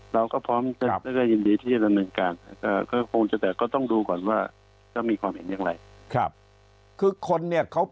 เราก็พร้อมจะได้ยินดีที่จะรำเนินการ